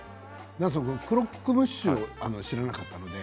クロックムッシュを知らなかったので。